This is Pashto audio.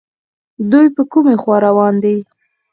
دوی په کومې خوا روان دي